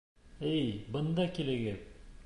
— Эй, бында килегеҙ!